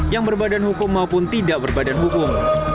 yang berbadan hukum maupun tidak berbadan hukum